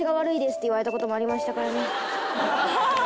って言われたこともありましたからね。